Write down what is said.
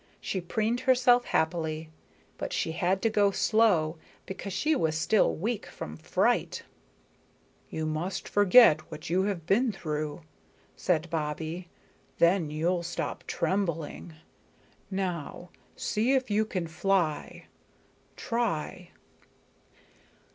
She preened herself happily. But she had to go slow, because she was still weak from fright. "You must forget what you have been through," said Bobbie. "Then you'll stop trembling. Now see if you can fly. Try."